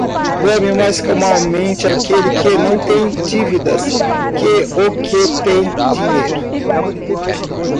Dorme mais calmamente aquele que não tem dívidas que o que tem dinheiro.